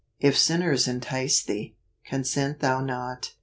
il If sinners entice thee , consent thou not."